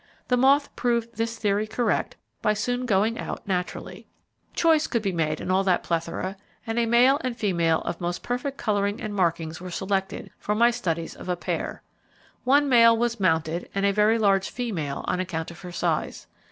The moth proved this theory correct by soon going out naturally. Choice could be made in all that plethora, and a male and female of most perfect colouring and markings were selected, for my studies of a pair. One male was mounted and a very large female on account of her size.